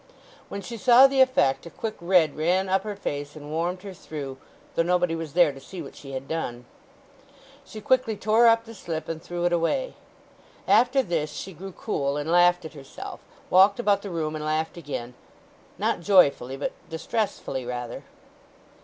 When she saw the effect a quick red ran up her face and warmed her through, though nobody was there to see what she had done. She quickly tore up the slip, and threw it away. After this she grew cool and laughed at herself, walked about the room, and laughed again; not joyfully, but distressfully rather.